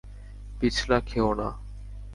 পিছলা খেও না।